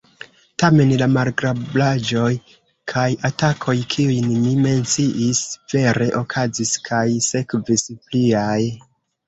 Tamen la malagrablaĵoj kaj atakoj, kiujn mi menciis, vere okazis – kaj sekvis pliaj.